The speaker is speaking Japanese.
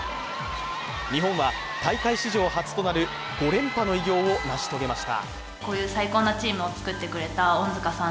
日本は大会史上初となる５連覇の偉業を成し遂げました。